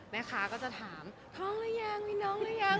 แม่ค้าก็จะถามน้องแล้วยัง